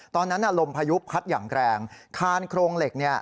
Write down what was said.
ตอนนั้นลมพายุพัดอย่างแรงคานโครงเหล็กเนี่ย